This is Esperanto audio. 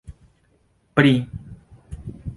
pri